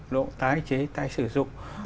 độ tái chế tái sử dụng